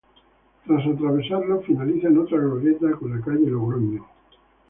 Tras atravesarlo, finaliza en otra glorieta con la calle Logroño.